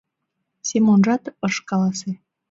Семонжат ыш каласе.